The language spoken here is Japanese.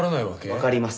わかります。